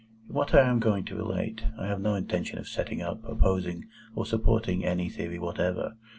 In what I am going to relate, I have no intention of setting up, opposing, or supporting, any theory whatever.